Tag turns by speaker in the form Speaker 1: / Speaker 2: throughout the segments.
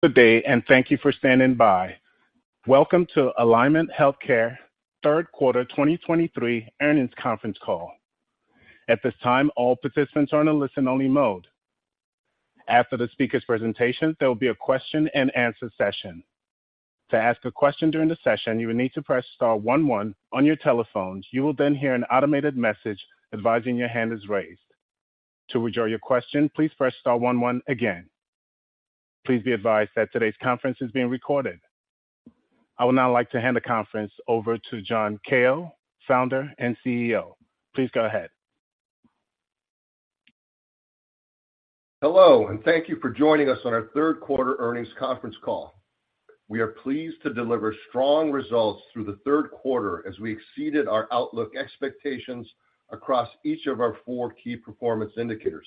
Speaker 1: Good day, and thank you for standing by. Welcome to Alignment Healthcare third quarter 2023 earnings conference call. At this time, all participants are on a listen-only mode. After the speaker's presentation, there will be a question-and-answer session. To ask a question during the session, you will need to press star one one on your telephones. You will then hear an automated message advising your hand is raised. To withdraw your question, please press star one one again. Please be advised that today's conference is being recorded. I would now like to hand the conference over to John Kao, Founder and CEO. Please go ahead.
Speaker 2: Hello, and thank you for joining us on our third quarter earnings conference call. We are pleased to deliver strong results through the third quarter as we exceeded our outlook expectations across each of our four key performance indicators.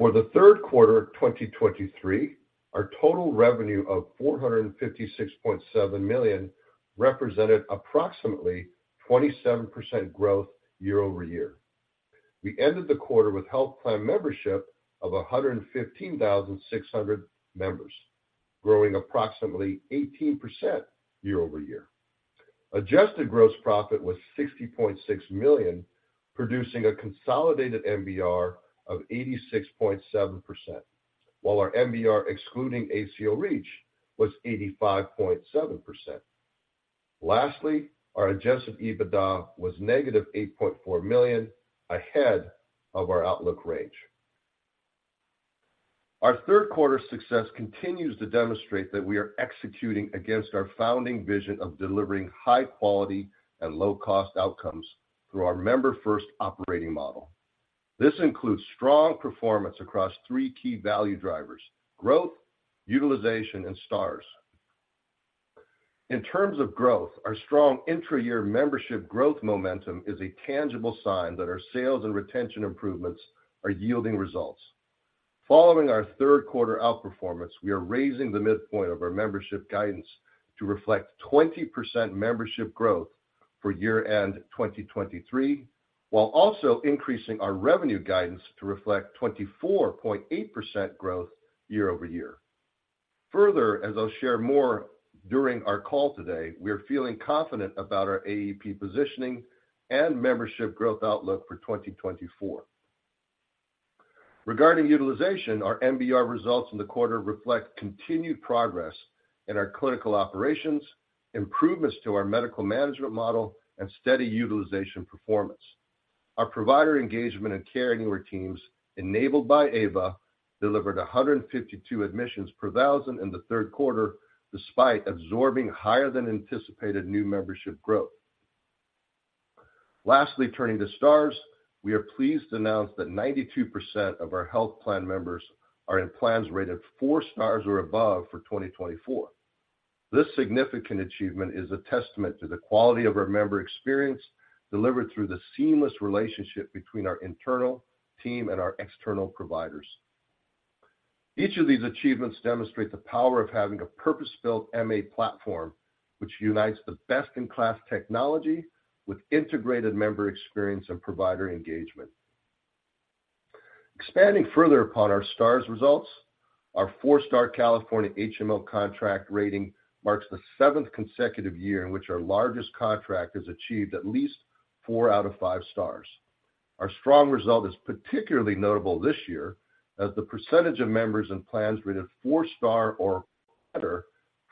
Speaker 2: For the third quarter of 2023, our total revenue of $456.7 million represented approximately 27% growth year-over-year. We ended the quarter with health plan membership of 115,600 members, growing approximately 18% year-over-year. Adjusted gross profit was $60.6 million, producing a consolidated MBR of 86.7%, while our MBR, excluding ACO REACH, was 85.7%. Lastly, our adjusted EBITDA was -$8.4 million, ahead of our outlook range. Our third quarter success continues to demonstrate that we are executing against our founding vision of delivering high quality and low-cost outcomes through our member-first operating model. This includes strong performance across three key value drivers: growth, utilization, and stars. In terms of growth, our strong intra-year membership growth momentum is a tangible sign that our sales and retention improvements are yielding results. Following our third quarter outperformance, we are raising the midpoint of our membership guidance to reflect 20% membership growth for year-end 2023, while also increasing our revenue guidance to reflect 24.8% growth year over year. Further, as I'll share more during our call today, we are feeling confident about our AEP positioning and membership growth outlook for 2024. Regarding utilization, our MBR results in the quarter reflect continued progress in our clinical operations, improvements to our medical management model, and steady utilization performance. Our provider engagement and care teams, enabled by AVA, delivered 152 admissions per 1,000 in the third quarter, despite absorbing higher than anticipated new membership growth. Lastly, turning to stars, we are pleased to announce that 92% of our health plan members are in plans rated 4 stars or above for 2024. This significant achievement is a testament to the quality of our member experience, delivered through the seamless relationship between our internal team and our external providers. Each of these achievements demonstrate the power of having a purpose-built MA platform, which unites the best-in-class technology with integrated member experience and provider engagement. Expanding further upon our Star results, our four-star California HMO contract rating marks the seventh consecutive year in which our largest contract has achieved at least four out of five stars. Our strong result is particularly notable this year, as the percentage of members in plans rated four star or better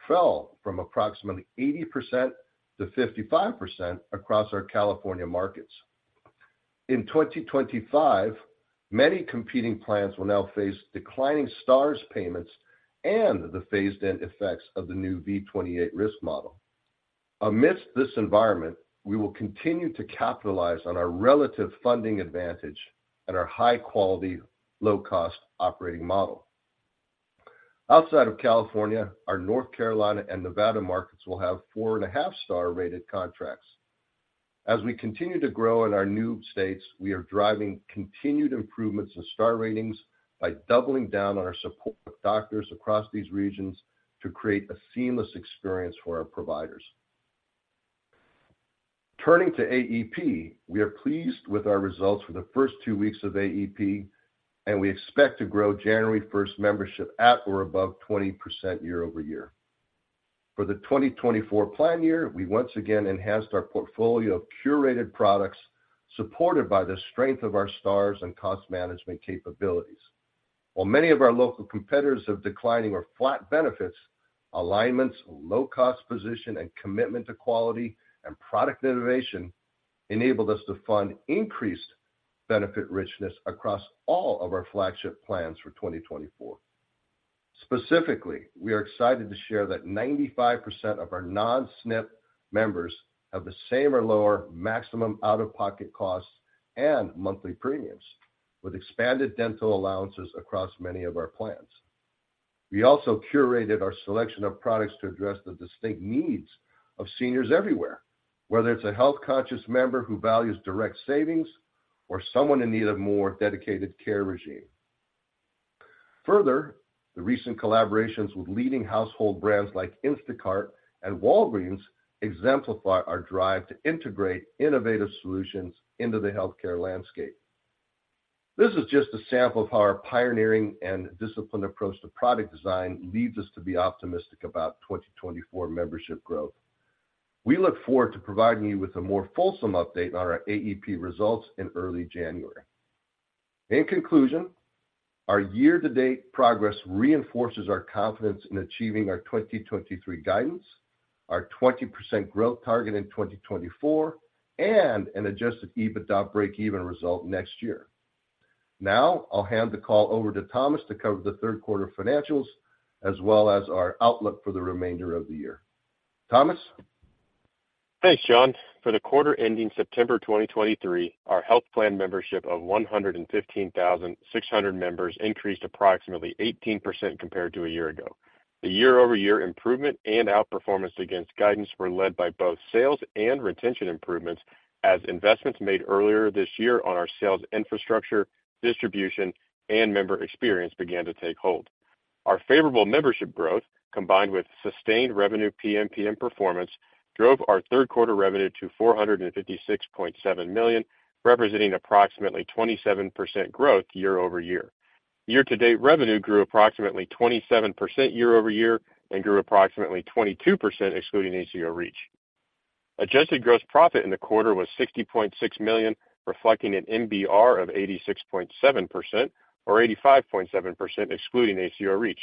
Speaker 2: fell from approximately 80% to 55% across our California markets. In 2025, many competing plans will now face declining stars payments and the phased-in effects of the new V28 risk model. Amidst this environment, we will continue to capitalize on our relative funding advantage and our high-quality, low-cost operating model. Outside of California, our North Carolina and Nevada markets will have 4.5-star rated contracts. As we continue to grow in our new states, we are driving continued improvements in Star Ratings by doubling down on our support with doctors across these regions to create a seamless experience for our providers. Turning to AEP, we are pleased with our results for the first two weeks of AEP, and we expect to grow January 1 membership at or above 20% year-over-year. For the 2024 plan year, we once again enhanced our portfolio of curated products, supported by the strength of our stars and cost management capabilities. While many of our local competitors have declining or flat benefits, Alignment's low-cost position, and commitment to quality and product innovation enabled us to fund increased benefit richness across all of our flagship plans for 2024. Specifically, we are excited to share that 95% of our non-SNP members have the same or lower maximum out-of-pocket costs and monthly premiums, with expanded dental allowances across many of our plans. We also curated our selection of products to address the distinct needs of seniors everywhere, whether it's a health-conscious member who values direct savings or someone in need of more dedicated care regime. Further, the recent collaborations with leading household brands like Instacart and Walgreens exemplify our drive to integrate innovative solutions into the healthcare landscape.... This is just a sample of how our pioneering and disciplined approach to product design leads us to be optimistic about 2024 membership growth. We look forward to providing you with a more fulsome update on our AEP results in early January. In conclusion, our year-to-date progress reinforces our confidence in achieving our 2023 guidance, our 20% growth target in 2024, and an Adjusted EBITDA breakeven result next year. Now, I'll hand the call over to Thomas to cover the third quarter financials as well as our outlook for the remainder of the year. Thomas?
Speaker 3: Thanks, John. For the quarter ending September 2023, our health plan membership of 115,600 members increased approximately 18% compared to a year ago. The year-over-year improvement and outperformance against guidance were led by both sales and retention improvements, as investments made earlier this year on our sales infrastructure, distribution, and member experience began to take hold. Our favorable membership growth, combined with sustained revenue PMPM performance, drove our third quarter revenue to $456.7 million, representing approximately 27% growth year-over-year. Year-to-date revenue grew approximately 27% year-over-year and grew approximately 22%, excluding ACO REACH. Adjusted gross profit in the quarter was $60.6 million, reflecting an MBR of 86.7%, or 85.7%, excluding ACO REACH.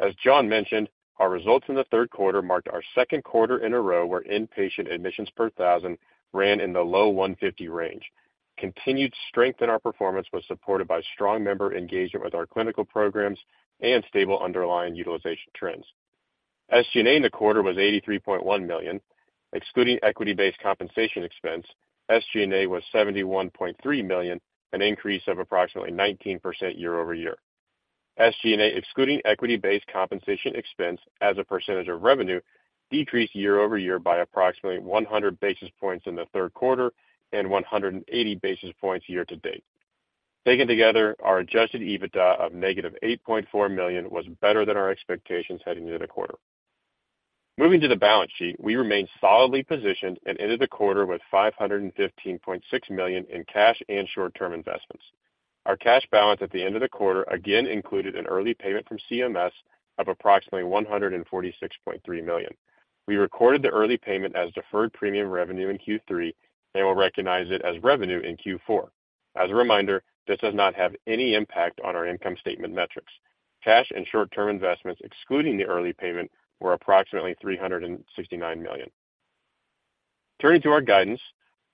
Speaker 3: As John mentioned, our results in the third quarter marked our second quarter in a row, where inpatient admissions per thousand ran in the low 150 range. Continued strength in our performance was supported by strong member engagement with our clinical programs and stable underlying utilization trends. SG&A in the quarter was $83.1 million. Excluding equity-based compensation expense, SG&A was $71.3 million, an increase of approximately 19% year-over-year. SG&A, excluding equity-based compensation expense as a percentage of revenue, decreased year-over-year by approximately 100 basis points in the third quarter and 180 basis points year to date. Taken together, our adjusted EBITDA of negative $8.4 million was better than our expectations heading into the quarter. Moving to the balance sheet, we remain solidly positioned and ended the quarter with $515.6 million in cash and short-term investments. Our cash balance at the end of the quarter again included an early payment from CMS of approximately $146.3 million. We recorded the early payment as deferred premium revenue in Q3 and will recognize it as revenue in Q4. As a reminder, this does not have any impact on our income statement metrics. Cash and short-term investments, excluding the early payment, were approximately $369 million. Turning to our guidance,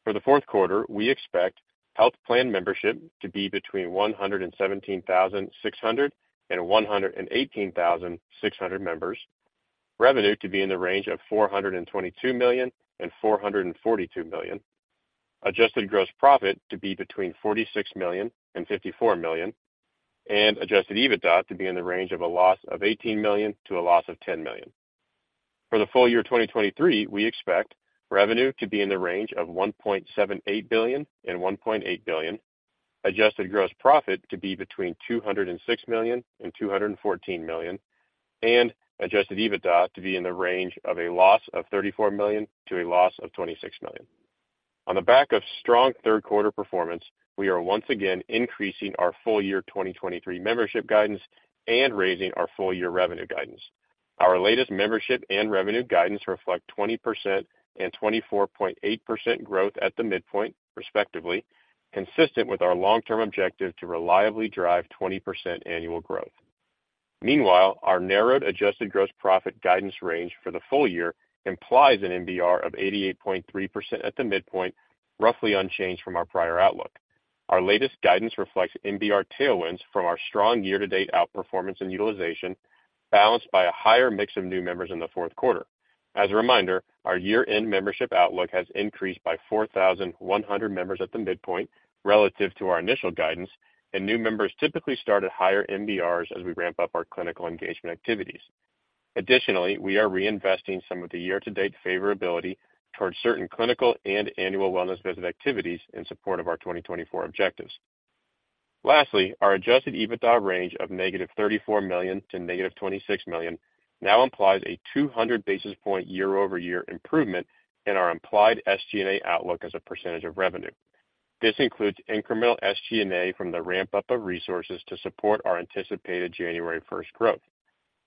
Speaker 3: for the fourth quarter, we expect health plan membership to be between 117,600 and 118,600 members. Revenue to be in the range of $422 million and $442 million. Adjusted gross profit to be between $46 million and $54 million, and adjusted EBITDA to be in the range of a loss of $18 million to a loss of $10 million. For the full year 2023, we expect revenue to be in the range of $1.78 billion-$1.8 billion. Adjusted gross profit to be between $206 million and $214 million, and adjusted EBITDA to be in the range of a loss of $34 million to a loss of $26 million. On the back of strong third quarter performance, we are once again increasing our full year 2023 membership guidance and raising our full year revenue guidance. Our latest membership and revenue guidance reflect 20% and 24.8% growth at the midpoint, respectively, consistent with our long-term objective to reliably drive 20% annual growth. Meanwhile, our narrowed adjusted gross profit guidance range for the full year implies an MBR of 88.3% at the midpoint, roughly unchanged from our prior outlook. Our latest guidance reflects MBR tailwinds from our strong year-to-date outperformance and utilization, balanced by a higher mix of new members in the fourth quarter. As a reminder, our year-end membership outlook has increased by 4,100 members at the midpoint relative to our initial guidance, and new members typically start at higher MBRs as we ramp up our clinical engagement activities. Additionally, we are reinvesting some of the year-to-date favorability towards certain clinical and annual wellness visit activities in support of our 2024 objectives. Lastly, our adjusted EBITDA range of -$34 million to -$26 million now implies a 200 basis point year-over-year improvement in our implied SG&A outlook as a percentage of revenue. This includes incremental SG&A from the ramp-up of resources to support our anticipated January first growth.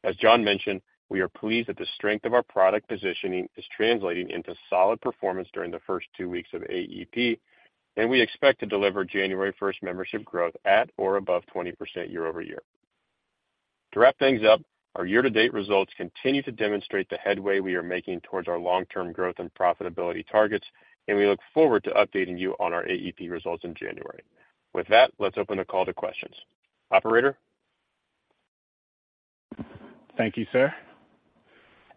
Speaker 3: As John mentioned, we are pleased that the strength of our product positioning is translating into solid performance during the first two weeks of AEP, and we expect to deliver January first membership growth at or above 20% year-over-year. To wrap things up, our year-to-date results continue to demonstrate the headway we are making towards our long-term growth and profitability targets, and we look forward to updating you on our AEP results in January. With that, let's open the call to questions. Operator?
Speaker 1: Thank you, sir.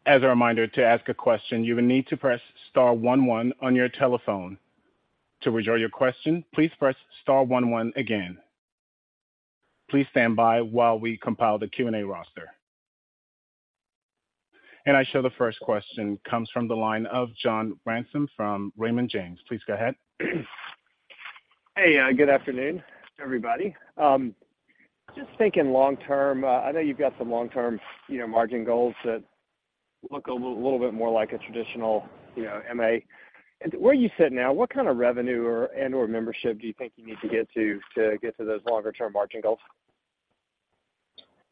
Speaker 1: As a reminder, to ask a question, you will need to press star one one on your telephone. To withdraw your question, please press star one one again. Please stand by while we compile the Q&A roster. I show the first question comes from the line of John Ransom from Raymond James. Please go ahead.
Speaker 4: Hey, good afternoon, everybody.... Just thinking long term, I know you've got some long-term, you know, margin goals that look a little bit more like a traditional, you know, MA. And where you sit now, what kind of revenue or, and/or membership do you think you need to get to, to get to those longer-term margin goals?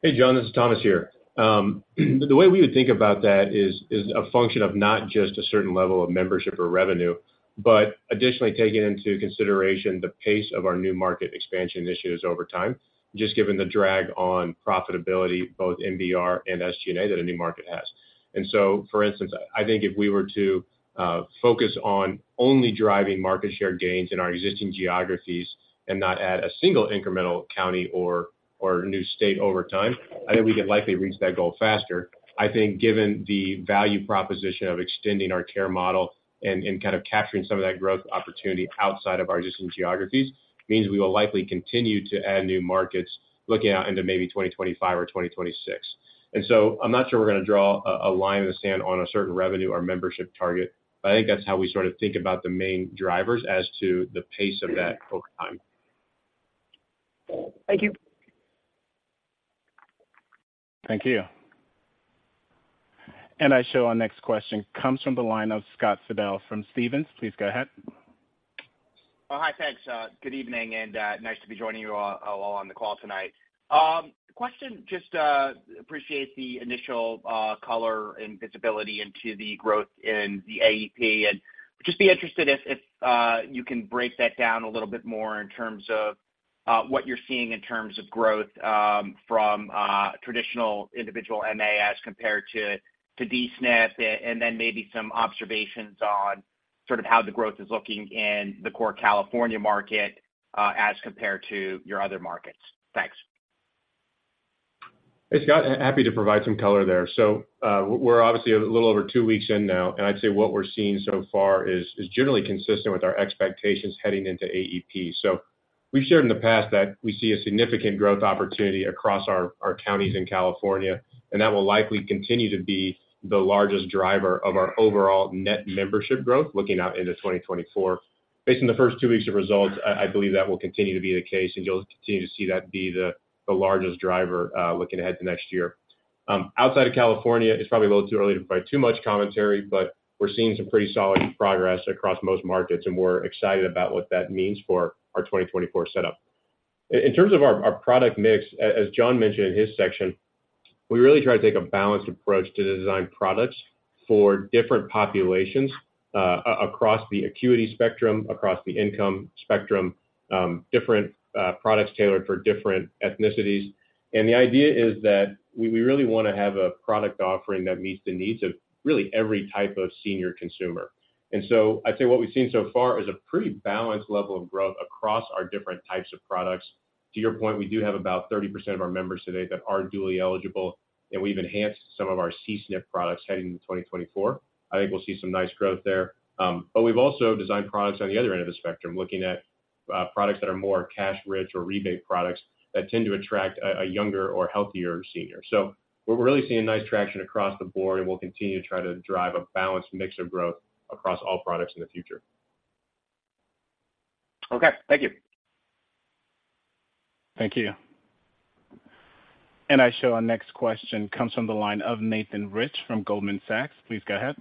Speaker 3: Hey, John, this is Thomas here. The way we would think about that is a function of not just a certain level of membership or revenue, but additionally taking into consideration the pace of our new market expansion initiatives over time, just given the drag on profitability, both MBR and SG&A, that a new market has. And so, for instance, I think if we were to focus on only driving market share gains in our existing geographies and not add a single incremental county or new state over time, I think we could likely reach that goal faster. I think given the value proposition of extending our care model and kind of capturing some of that growth opportunity outside of our existing geographies, means we will likely continue to add new markets looking out into maybe 2025 or 2026. And so I'm not sure we're going to draw a line in the sand on a certain revenue or membership target, but I think that's how we sort of think about the main drivers as to the pace of that over time.
Speaker 4: Thank you.
Speaker 1: Thank you. And I show our next question comes from the line of Scott Fidel from Stephens. Please go ahead.
Speaker 5: Well, hi, thanks. Good evening, and nice to be joining you all on the call tonight. Question, just appreciate the initial color and visibility into the growth in the AEP. And just be interested if you can break that down a little bit more in terms of what you're seeing in terms of growth from traditional individual MA as compared to D-SNP, and then maybe some observations on sort of how the growth is looking in the core California market as compared to your other markets. Thanks.
Speaker 3: Hey, Scott. Happy to provide some color there. So, we're obviously a little over 2 weeks in now, and I'd say what we're seeing so far is generally consistent with our expectations heading into AEP. So we've shared in the past that we see a significant growth opportunity across our counties in California, and that will likely continue to be the largest driver of our overall net membership growth looking out into 2024. Based on the first 2 weeks of results, I believe that will continue to be the case, and you'll continue to see that be the largest driver, looking ahead to next year. Outside of California, it's probably a little too early to provide too much commentary, but we're seeing some pretty solid progress across most markets, and we're excited about what that means for our 2024 setup. In terms of our product mix, as John mentioned in his section, we really try to take a balanced approach to design products for different populations, across the acuity spectrum, across the income spectrum, different products tailored for different ethnicities. And the idea is that we really want to have a product offering that meets the needs of really every type of senior consumer. And so I'd say what we've seen so far is a pretty balanced level of growth across our different types of products. To your point, we do have about 30% of our members today that are dually eligible, and we've enhanced some of our C-SNP products heading into 2024. I think we'll see some nice growth there. But we've also designed products on the other end of the spectrum, looking at products that are more cash rich or rebate products that tend to attract a younger or healthier senior. So we're really seeing nice traction across the board, and we'll continue to try to drive a balanced mix of growth across all products in the future.
Speaker 5: Okay. Thank you.
Speaker 1: Thank you. And I show our next question comes from the line of Nathan Rich from Goldman Sachs. Please go ahead.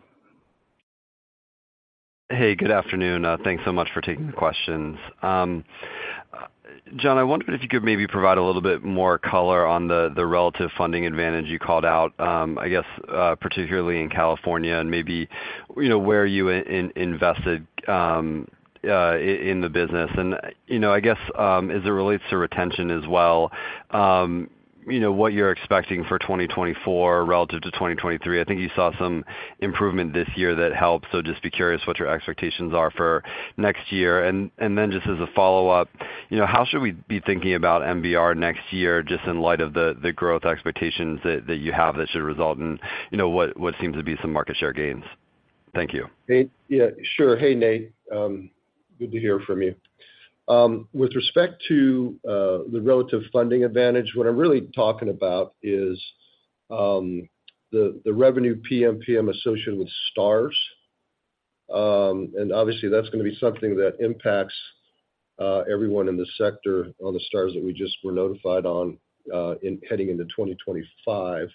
Speaker 6: Hey, good afternoon. Thanks so much for taking the questions. John, I wondered if you could maybe provide a little bit more color on the relative funding advantage you called out, I guess, particularly in California and maybe, you know, where you invested in the business. And, you know, I guess, as it relates to retention as well, you know, what you're expecting for 2024 relative to 2023. I think you saw some improvement this year that helped, so just be curious what your expectations are for next year. And then just as a follow-up, you know, how should we be thinking about MBR next year, just in light of the growth expectations that you have that should result in, you know, what seems to be some market share gains? Thank you.
Speaker 2: Nate? Yeah, sure. Hey, Nate, good to hear from you. With respect to the relative funding advantage, what I'm really talking about is the revenue PMPM associated with stars. And obviously, that's going to be something that impacts everyone in the sector on the stars that we just were notified on heading into 2025.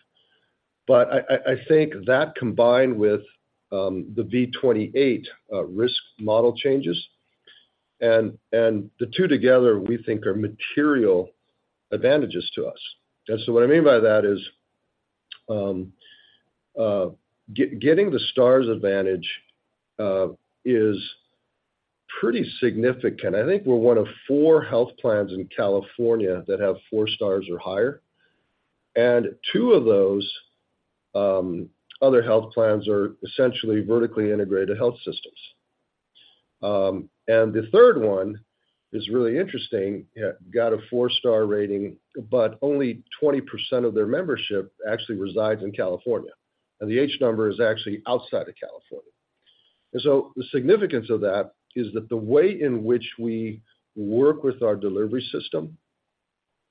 Speaker 2: But I think that combined with the V28 risk model changes, and the two together, we think, are material advantages to us. And so what I mean by that is getting the stars advantage is pretty significant. I think we're one of four health plans in California that have four stars or higher, and two of those other health plans are essentially vertically integrated health systems. And the third one is really interesting. It got a four-star rating, but only 20% of their membership actually resides in California, and the H number is actually outside of California. So the significance of that is that the way in which we work with our delivery system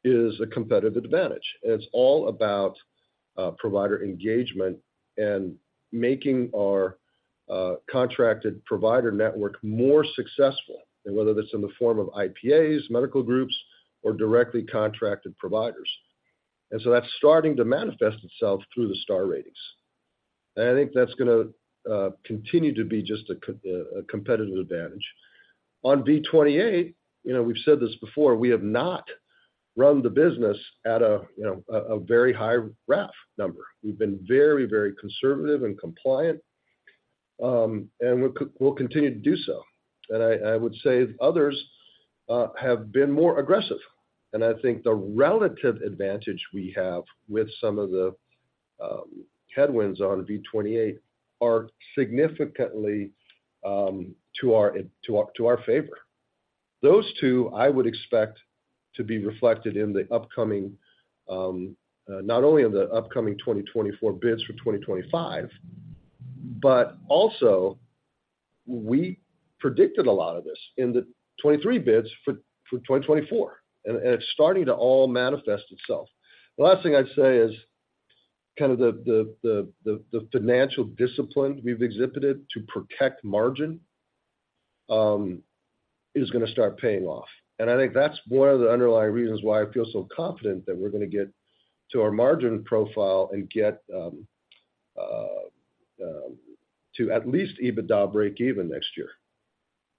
Speaker 2: is a competitive advantage, and it's all about provider engagement and making our contracted provider network more successful, and whether that's in the form of IPAs, medical groups, or directly contracted providers. So that's starting to manifest itself through the star ratings. And I think that's gonna continue to be just a competitive advantage. On V28, you know, we've said this before, we have not run the business at a, you know, a very high RAF number. We've been very, very conservative and compliant, and we'll continue to do so. I would say others have been more aggressive, and I think the relative advantage we have with some of the headwinds on V28 are significantly to our favor. Those two, I would expect to be reflected in the upcoming not only in the upcoming 2024 bids for 2025, but also we predicted a lot of this in the 2023 bids for 2024, and it's starting to all manifest itself. The last thing I'd say is kind of the financial discipline we've exhibited to protect margin is gonna start paying off. I think that's one of the underlying reasons why I feel so confident that we're gonna get to our margin profile and get to at least EBITDA break-even next year.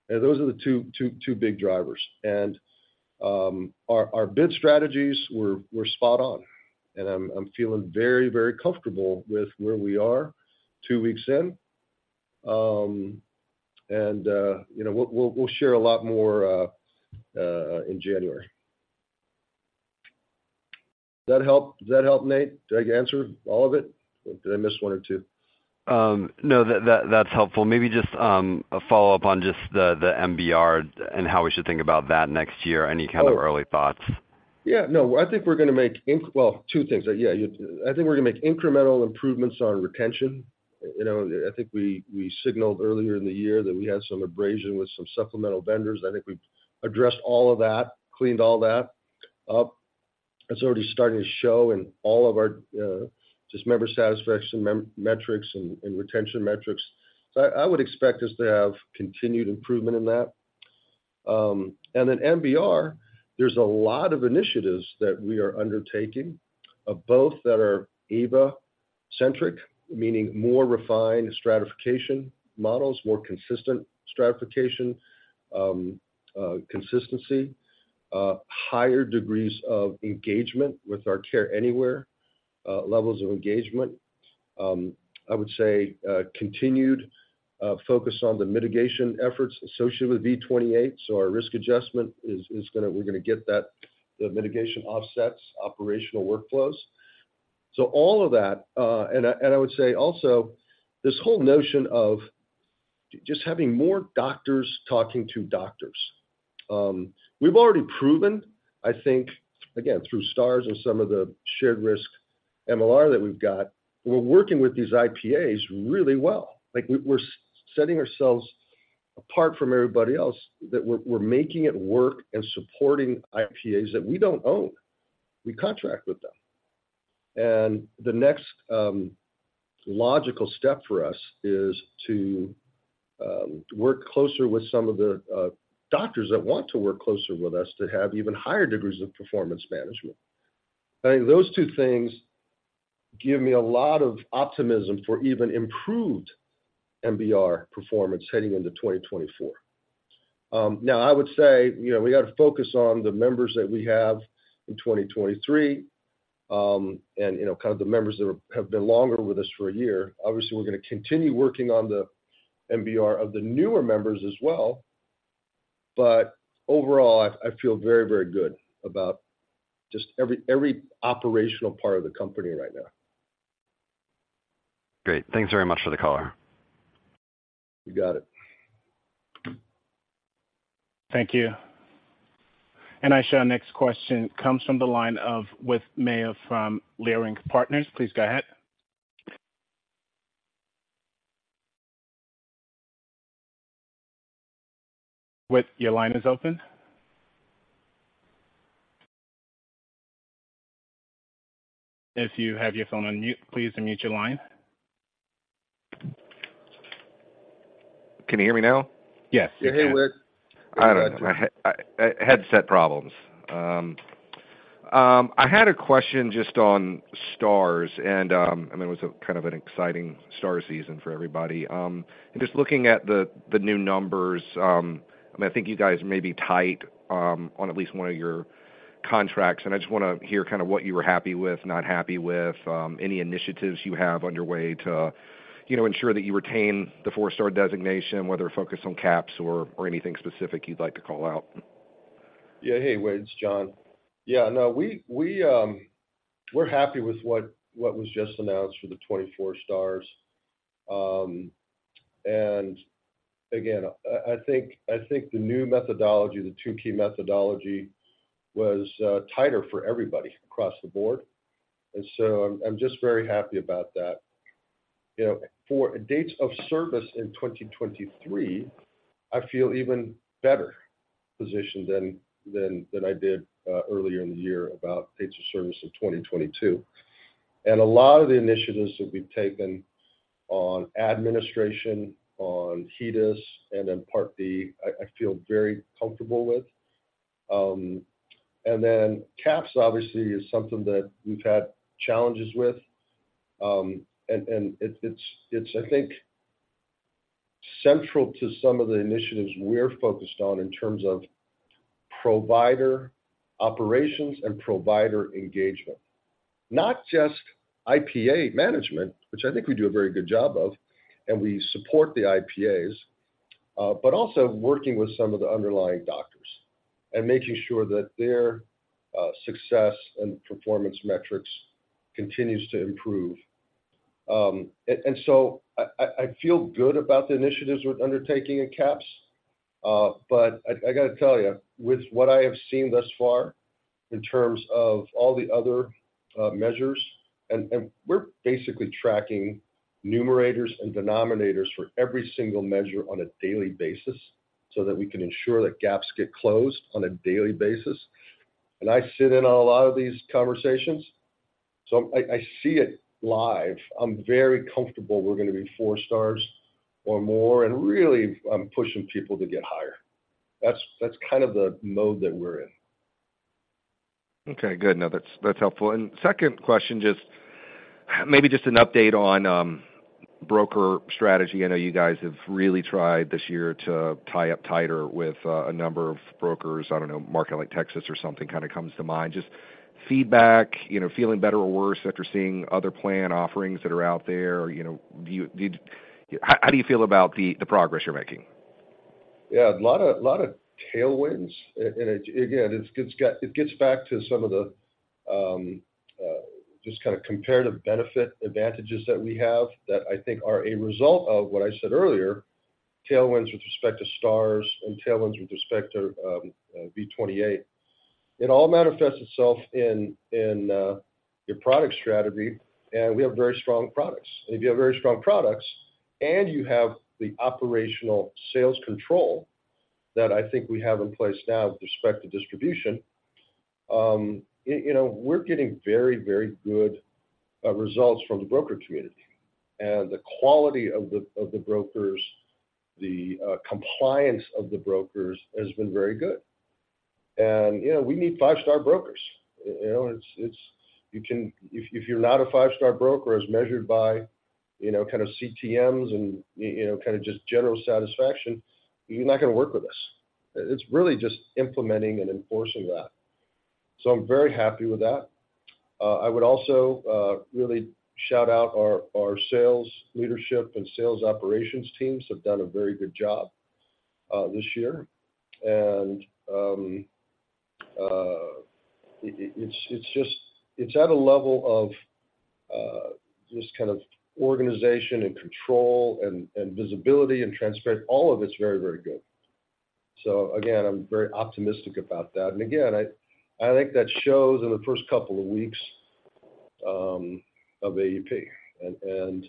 Speaker 2: Those are the two big drivers. Our bid strategies were spot on, and I'm feeling very comfortable with where we are two weeks in. You know, we'll share a lot more in January. Does that help? Does that help, Nate? Did I answer all of it, or did I miss one or two?
Speaker 6: No, that's helpful. Maybe just a follow-up on just the MBR and how we should think about that next year. Any kind of early thoughts?
Speaker 2: Yeah, no, I think we're gonna make incremental improvements on retention. You know, I think we signaled earlier in the year that we had some abrasion with some supplemental vendors. I think we've addressed all of that, cleaned all that up. It's already starting to show in all of our just member satisfaction metrics and retention metrics. So I would expect us to have continued improvement in that. And then MBR, there's a lot of initiatives that we are undertaking, both that are AVA-centric, meaning more refined stratification models, more consistent stratification, consistency, higher degrees of engagement with our Care Anywhere levels of engagement. I would say continued focus on the mitigation efforts associated with V28, so our risk adjustment is gonna—we're gonna get that, the mitigation offsets, operational workflows. So all of that, and I would say also, this whole notion of just having more doctors talking to doctors. We've already proven, I think, again, through stars and some of the shared risk MLR that we've got, we're working with these IPAs really well. Like, we're setting ourselves apart from everybody else, that we're making it work and supporting IPAs that we don't own. We contract with them. And the next logical step for us is to work closer with some of the doctors that want to work closer with us to have even higher degrees of performance management. I think those two things give me a lot of optimism for even improved MBR performance heading into 2024. Now, I would say, you know, we got to focus on the members that we have in 2023, and, you know, kind of the members that have been longer with us for a year. Obviously, we're gonna continue working on the MBR of the newer members as well, but overall, I, I feel very, very good about just every, every operational part of the company right now.
Speaker 6: Great. Thanks very much for the color.
Speaker 2: You got it.
Speaker 1: Thank you. Our next question comes from the line of Whit Mayo from Leerink Partners. Please go ahead. Whit, your line is open. If you have your phone on mute, please unmute your line.
Speaker 7: Can you hear me now?
Speaker 1: Yes.
Speaker 2: You're here, Whit.
Speaker 7: I don't know. I, headset problems. I had a question just on Stars, and it was a kind of an exciting Star season for everybody. And just looking at the new numbers, I mean, I think you guys may be tight on at least one of your contracts, and I just wanna hear kind of what you were happy with, not happy with, any initiatives you have underway to, you know, ensure that you retain the four-Star designation, whether focused on CAHPS or anything specific you'd like to call out.
Speaker 2: Yeah. Hey, Whit, it's John. Yeah, no, we're happy with what was just announced for the 24 stars. And again, I think the new methodology, the Tukey methodology, was tighter for everybody across the board, and so I'm just very happy about that. You know, for dates of service in 2023, I feel even better positioned than I did earlier in the year about dates of service in 2022. And a lot of the initiatives that we've taken on administration, on HEDIS, and then Part D, I feel very comfortable with. And then CAHPS obviously is something that we've had challenges with, and it's central to some of the initiatives we're focused on in terms of provider operations and provider engagement. Not just IPA management, which I think we do a very good job of, and we support the IPAs, but also working with some of the underlying doctors and making sure that their success and performance metrics continues to improve. And so I feel good about the initiatives we're undertaking at CAHPS. But I gotta tell you, with what I have seen thus far in terms of all the other measures... And we're basically tracking numerators and denominators for every single measure on a daily basis, so that we can ensure that gaps get closed on a daily basis. And I sit in on a lot of these conversations, so I see it live. I'm very comfortable we're gonna be four stars or more, and really, I'm pushing people to get higher. That's kind of the mode that we're in.
Speaker 7: Okay, good. No, that's, that's helpful. And second question, just maybe just an update on broker strategy. I know you guys have really tried this year to tie up tighter with a number of brokers. I don't know, a market like Texas or something kind of comes to mind. Just feedback, you know, feeling better or worse after seeing other plan offerings that are out there. You know, how do you feel about the progress you're making?
Speaker 2: Yeah, a lot of tailwinds. And again, it's got... It gets back to some of the, just kind of comparative benefit advantages that we have that I think are a result of what I said earlier, tailwinds with respect to stars and tailwinds with respect to V28. It all manifests itself in your product strategy, and we have very strong products. And if you have very strong products and you have the operational sales control that I think we have in place now with respect to distribution, you know, we're getting very, very good results from the broker community. And the quality of the brokers, the compliance of the brokers has been very good. And, you know, we need five-star brokers. You know, it's if you're not a five-star broker, as measured by, you know, kind of CTMs and, you know, kind of just general satisfaction, you're not gonna work with us. It's really just implementing and enforcing that. So I'm very happy with that. I would also really shout out our sales leadership and sales operations teams have done a very good job this year. And it, it's just. It's at a level of just kind of organization and control and visibility and transparency. All of it's very, very good. So again, I'm very optimistic about that. And again, I think that shows in the first couple of weeks of AEP. And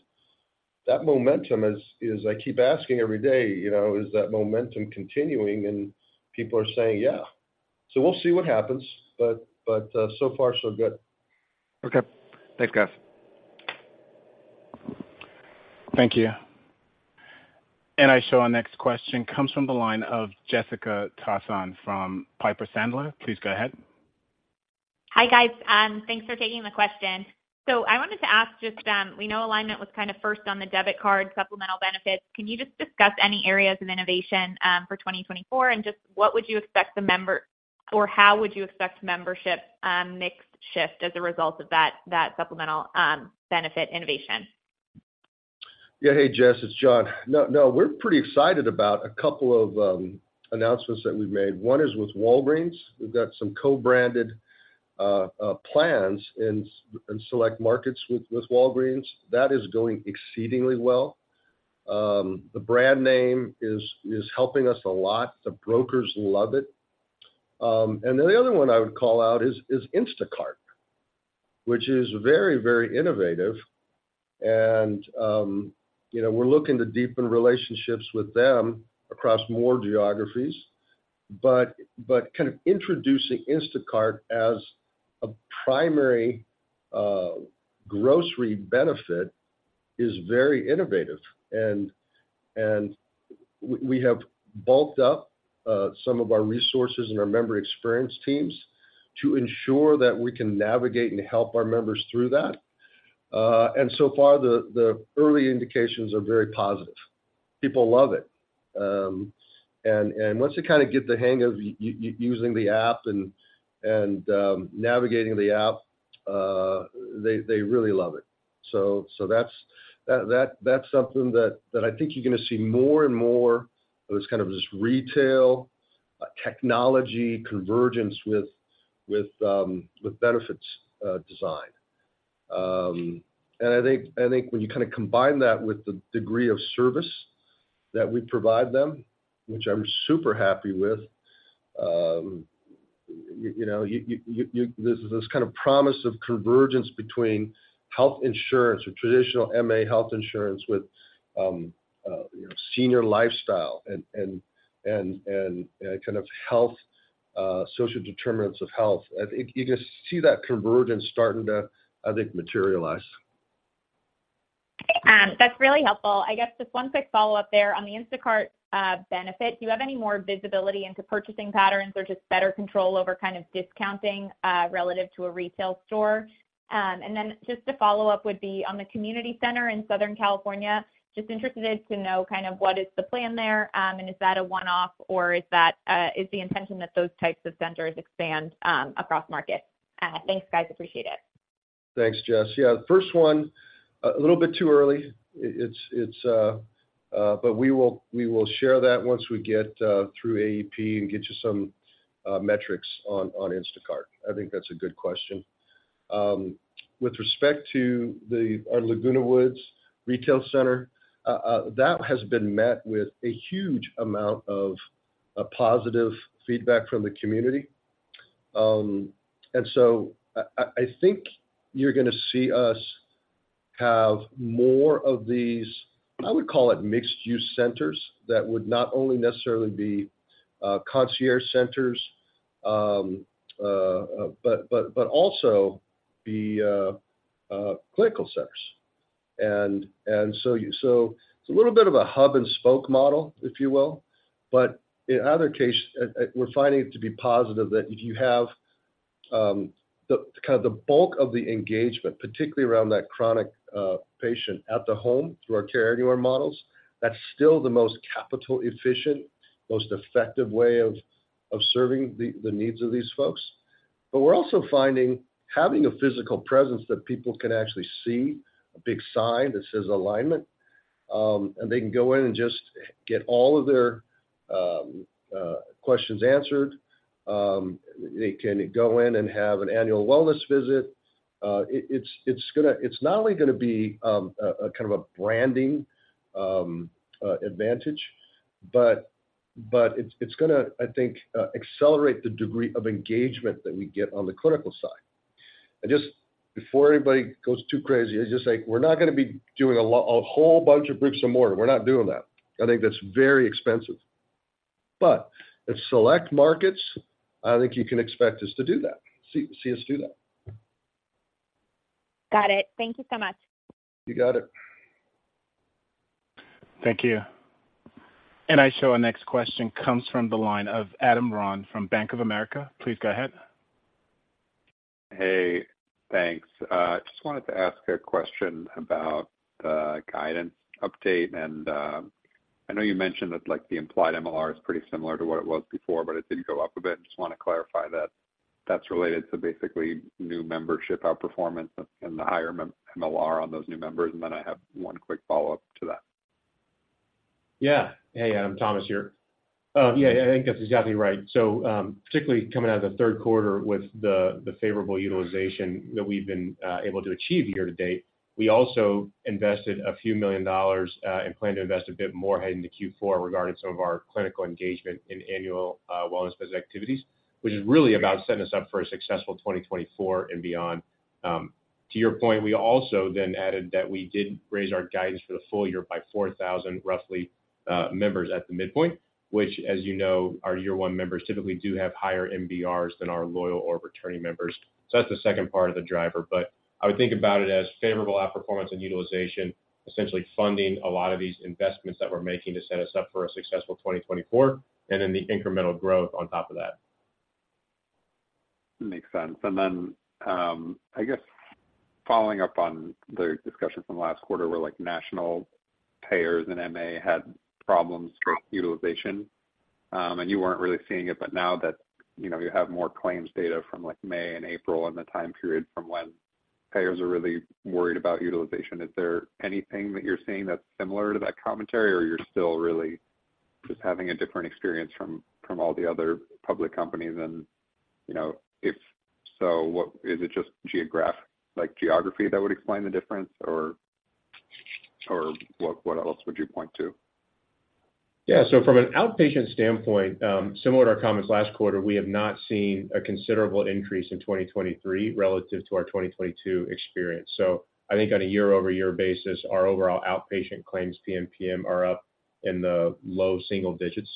Speaker 2: that momentum is I keep asking every day, you know, is that momentum continuing? And people are saying, "Yeah." So we'll see what happens, but so far so good.
Speaker 7: Okay. Thanks, guys.
Speaker 1: Thank you. And I show our next question comes from the line of Jessica Tassan from Piper Sandler. Please go ahead.
Speaker 8: Hi, guys, thanks for taking the question. So I wanted to ask just we know Alignment was kind of first on the debit card supplemental benefits. Can you just discuss any areas of innovation for 2024? And just what would you expect the member or how would you expect membership mix shift as a result of that supplemental benefit innovation?
Speaker 2: Yeah. Hey, Jess, it's John. No, no, we're pretty excited about a couple of announcements that we've made. One is with Walgreens. We've got some co-branded plans in select markets with Walgreens. That is going exceedingly well. The brand name is helping us a lot. The brokers love it. And then the other one I would call out is Instacart, which is very, very innovative, and you know, we're looking to deepen relationships with them across more geographies. But kind of introducing Instacart as a primary grocery benefit is very innovative, and we have bulked up some of our resources and our member experience teams to ensure that we can navigate and help our members through that. And so far, the early indications are very positive. People love it. Once you kind of get the hang of using the app and navigating the app, they really love it. So that's something that I think you're gonna see more and more of this kind of retail technology convergence with benefits design. And I think when you kind of combine that with the degree of service that we provide them, which I'm super happy with... You know, there's this kind of promise of convergence between health insurance or traditional MA health insurance with, you know, senior lifestyle and kind of health social determinants of health. I think you just see that convergence starting to materialize.
Speaker 8: That's really helpful. I guess just one quick follow-up there. On the Instacart benefit, do you have any more visibility into purchasing patterns or just better control over kind of discounting relative to a retail store? And then just a follow-up would be on the community center in Southern California. Just interested to know kind of what is the plan there, and is that a one-off, or is that, is the intention that those types of centers expand across markets? Thanks, guys. Appreciate it.
Speaker 2: Thanks, Jess. Yeah, the first one, a little bit too early, but we will share that once we get through AEP and get you some metrics on Instacart. I think that's a good question. With respect to our Laguna Woods Retail Center, that has been met with a huge amount of positive feedback from the community. And so I think you're gonna see us have more of these, I would call it mixed-use centers, that would not only necessarily be concierge centers, but also be clinical centers. So it's a little bit of a hub-and-spoke model, if you will. But in either case, we're finding it to be positive that if you have, kind of the bulk of the engagement, particularly around that chronic patient at the home, through our Care Anywhere models, that's still the most capital efficient, most effective way of serving the needs of these folks. But we're also finding having a physical presence that people can actually see, a big sign that says Alignment, and they can go in and just get all of their questions answered. They can go in and have an annual wellness visit. It, it's gonna—It's not only gonna be, kind of a branding advantage, but it's gonna, I think, accelerate the degree of engagement that we get on the clinical side. Just before anybody goes too crazy, I just say, we're not gonna be doing a whole bunch of bricks and mortar. We're not doing that. I think that's very expensive. But in select markets, I think you can expect us to do that, see us do that.
Speaker 8: Got it. Thank you so much.
Speaker 2: You got it.
Speaker 1: Thank you. Our next question comes from the line of Adam Ron from Bank of America. Please go ahead.
Speaker 9: Hey, thanks. Just wanted to ask a question about the guidance update, and I know you mentioned that, like, the implied MLR is pretty similar to what it was before, but it did go up a bit. Just want to clarify that that's related to basically new membership outperformance and the higher MLR on those new members, and then I have one quick follow-up to that.
Speaker 3: Yeah. Hey, Adam, Thomas here. Yeah, I think that's exactly right. So, particularly coming out of the third quarter with the favorable utilization that we've been able to achieve year to date, we also invested $ a few million and plan to invest a bit more heading to Q4 regarding some of our clinical engagement in annual wellness-based activities, which is really about setting us up for a successful 2024 and beyond. To your point, we also then added that we did raise our guidance for the full year by 4,000, roughly, members at the midpoint, which, as you know, our year one members typically do have higher MBRs than our loyal or returning members. So that's the second part of the driver, but I would think about it as favorable outperformance and utilization, essentially funding a lot of these investments that we're making to set us up for a successful 2024, and then the incremental growth on top of that.
Speaker 9: Makes sense. Then, I guess following up on the discussion from last quarter, where, like, national payers and MA had problems with utilization, and you weren't really seeing it, but now that, you know, you have more claims data from, like, May and April and the time period from when payers are really worried about utilization, is there anything that you're seeing that's similar to that commentary, or you're still really just having a different experience from all the other public companies? And, you know, if so, what is it just geography that would explain the difference, or what else would you point to?
Speaker 3: Yeah. So from an outpatient standpoint, similar to our comments last quarter, we have not seen a considerable increase in 2023 relative to our 2022 experience. So I think on a year-over-year basis, our overall outpatient claims, PMPM, are up in the low single digits.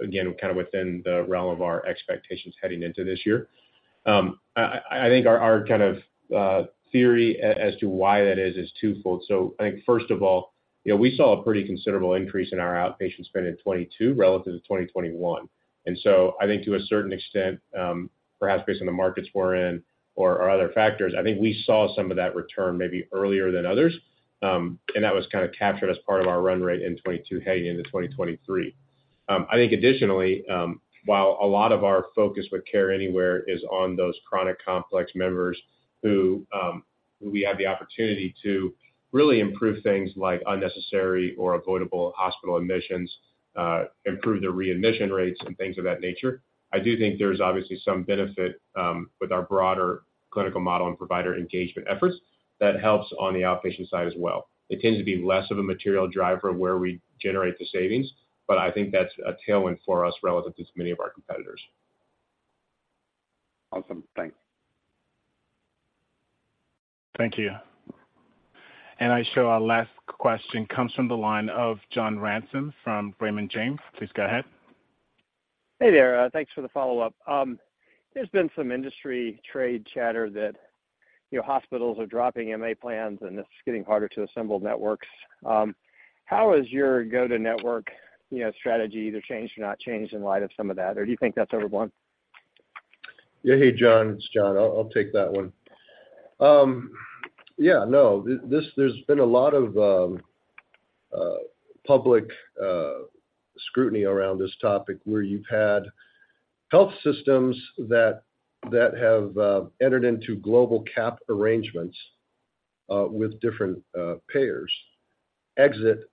Speaker 3: Again, kind of within the realm of our expectations heading into this year. I think our kind of theory as to why that is is twofold. So I think first of all, you know, we saw a pretty considerable increase in our outpatient spend in 2022 relative to 2021. And so I think to a certain extent, perhaps based on the markets we're in or other factors, I think we saw some of that return maybe earlier than others, and that was kind of captured as part of our run rate in 2022, heading into 2023. I think additionally, while a lot of our focus with Care Anywhere is on those chronic complex members who we have the opportunity to really improve things like unnecessary or avoidable hospital admissions, improve their readmission rates and things of that nature. I do think there's obviously some benefit with our broader clinical model and provider engagement efforts that helps on the outpatient side as well. It tends to be less of a material driver where we generate the savings, but I think that's a tailwind for us relative to many of our competitors.
Speaker 9: Awesome. Thanks.
Speaker 1: Thank you. I show our last question comes from the line of John Ransom from Raymond James. Please go ahead.
Speaker 4: Hey there. Thanks for the follow-up. There's been some industry trade chatter that, you know, hospitals are dropping MA plans, and it's getting harder to assemble networks. How has your go-to network, you know, strategy either changed or not changed in light of some of that? Or do you think that's overblown?
Speaker 2: Yeah. Hey, John, it's John. I'll take that one. Yeah, no, this, there's been a lot of public scrutiny around this topic, where you've had health systems that have entered into global cap arrangements with different payers exit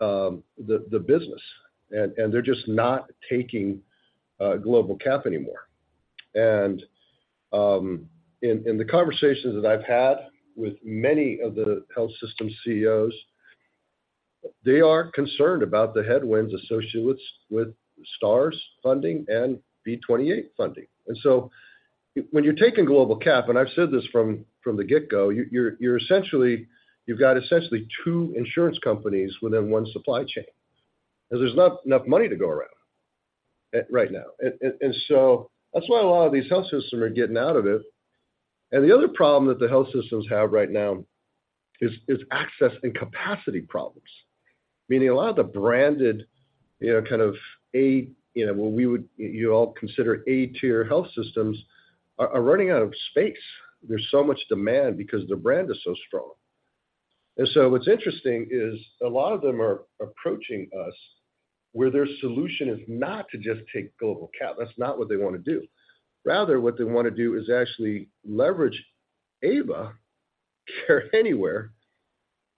Speaker 2: the business, and they're just not taking global cap anymore. And in the conversations that I've had with many of the health system CEOs, they are concerned about the headwinds associated with Stars funding and V28 funding. And so when you're taking global cap, and I've said this from the get-go, you're essentially you've got essentially two insurance companies within one supply chain, and there's not enough money to go around right now. And so that's why a lot of these health systems are getting out of it. The other problem that the health systems have right now is access and capacity problems. Meaning a lot of the branded, you know, kind of A-tier health systems are running out of space. There's so much demand because the brand is so strong. And so what's interesting is a lot of them are approaching us, where their solution is not to just take global cap. That's not what they want to do. Rather, what they want to do is actually leverage AVA, Care Anywhere,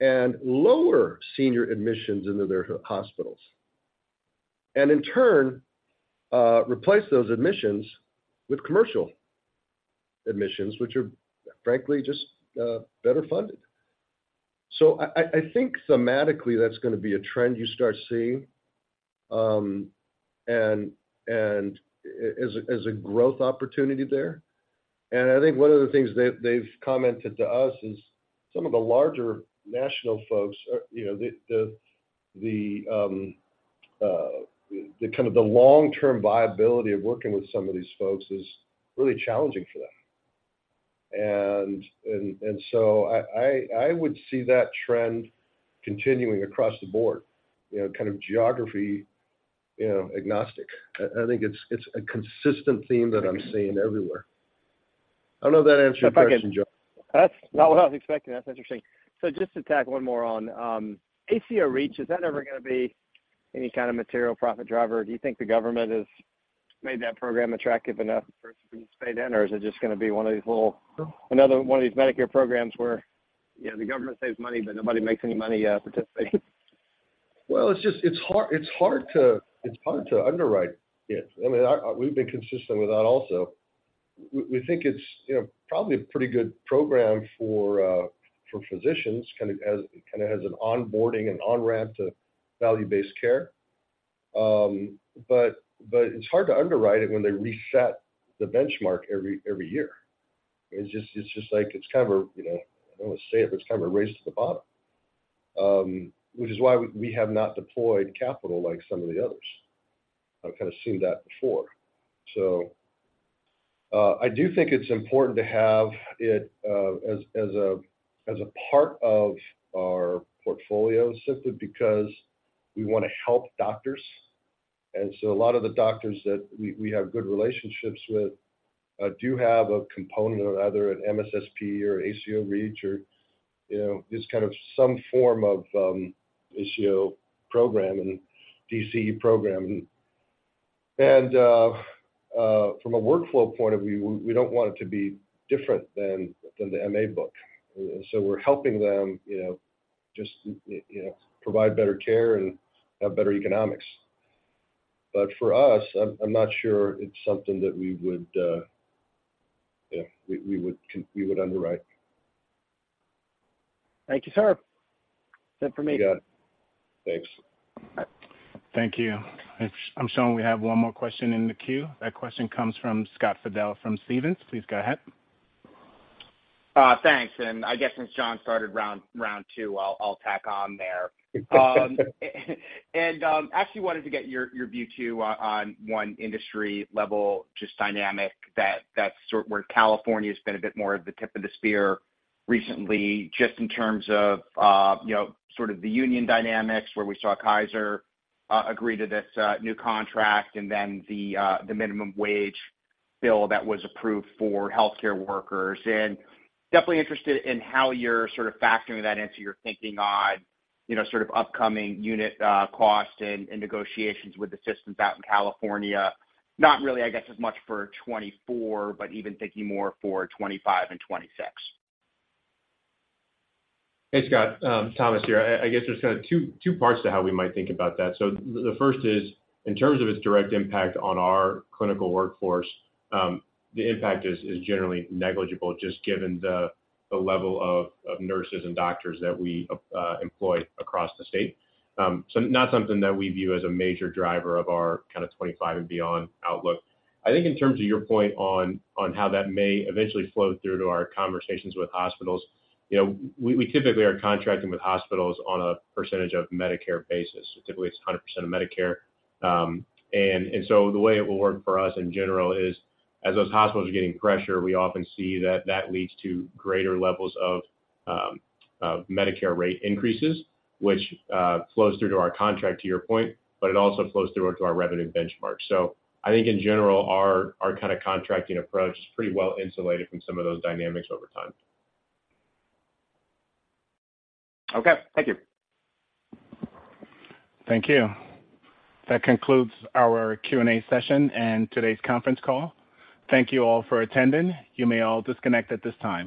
Speaker 2: and lower senior admissions into their hospitals, and in turn, replace those admissions with commercial admissions, which are, frankly, just better funded. So I think thematically, that's gonna be a trend you start seeing, and as a growth opportunity there. And I think one of the things they, they've commented to us is some of the larger national folks, you know, the kind of long-term viability of working with some of these folks is really challenging for them. And so I would see that trend continuing across the board, you know, kind of geography agnostic. I think it's a consistent theme that I'm seeing everywhere. I don't know if that answered your question, John.
Speaker 4: That's not what I was expecting. That's interesting. So just to tack one more on, ACO REACH, is that ever gonna be any kind of material profit driver, or do you think the government has made that program attractive enough for it to be paid in? Or is it just gonna be one of these little... Another one of these Medicare programs where, you know, the government saves money, but nobody makes any money, participating?
Speaker 2: Well, it's just hard to underwrite it. I mean, we've been consistent with that also. We think it's, you know, probably a pretty good program for physicians, kind of as an onboarding and on-ramp to value-based care. But it's hard to underwrite it when they reset the benchmark every year. It's just like, you know, I don't want to say it, but it's kind of a race to the bottom. Which is why we have not deployed capital like some of the others. I've kind of seen that before. So, I do think it's important to have it as a part of our portfolio, simply because we want to help doctors. So a lot of the doctors that we have good relationships with do have a component of either an MSSP or ACO REACH or, you know, just kind of some form of ACO program and DCE program. From a workflow point of view, we don't want it to be different than the MA book. So we're helping them, you know, just, you know, provide better care and have better economics. But for us, I'm not sure it's something that we would, yeah, we would underwrite.
Speaker 4: Thank you, sir. That's it for me.
Speaker 2: You got it. Thanks.
Speaker 1: Thank you. I'm showing we have one more question in the queue. That question comes from Scott Fidel, from Stephens. Please go ahead.
Speaker 5: Thanks. I guess since John started round two, I'll tack on there. Actually wanted to get your view, too, on one industry-level just dynamic that's sort where California has been a bit more of the tip of the spear recently, just in terms of you know sort of the union dynamics, where we saw Kaiser agree to this new contract and then the minimum wage bill that was approved for healthcare workers. And definitely interested in how you're sort of factoring that into your thinking on you know sort of upcoming unit costs and negotiations with the systems out in California. Not really, I guess, as much for 2024, but even thinking more for 2025 and 2026.
Speaker 3: Hey, Scott, Thomas here. I guess there's kind of two parts to how we might think about that. So the first is, in terms of its direct impact on our clinical workforce, the impact is generally negligible, just given the level of nurses and doctors that we employ across the state. So not something that we view as a major driver of our kind of 25 and beyond outlook. I think in terms of your point on how that may eventually flow through to our conversations with hospitals, you know, we typically are contracting with hospitals on a percentage of Medicare basis. Typically, it's 100% of Medicare. So the way it will work for us in general is as those hospitals are getting pressure, we often see that leads to greater levels of Medicare rate increases, which flows through to our contract, to your point, but it also flows through to our revenue benchmarks. So I think in general, our kind of contracting approach is pretty well insulated from some of those dynamics over time.
Speaker 5: Okay. Thank you.
Speaker 1: Thank you. That concludes our Q&A session and today's conference call. Thank you all for attending. You may all disconnect at this time.